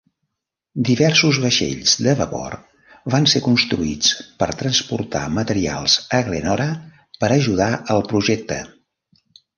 Diversos vaixells de vapor van ser construïts per transportar materials a Glenora per ajudar el projecte.